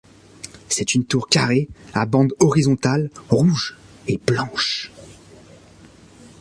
C'est une tour carrée à bandes horizontales rouges et blanches.